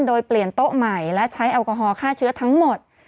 โดยเปลี่ยนโต๊ะใหม่และใช้แอลกอฮอลฆ่าเชื้อทั้งหมด